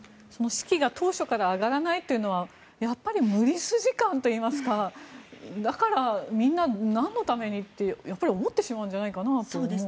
士気が当初から上がらないというのはやっぱり無理筋感といいますかだからみんななんのためにってやっぱり思ってしまうんじゃないかなと思うんです。